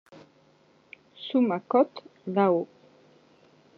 Sous ma cotte, là-haut.